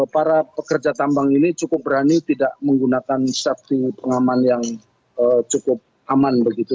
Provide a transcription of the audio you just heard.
para pekerja tambang ini cukup berani tidak menggunakan safety pengaman yang cukup aman begitu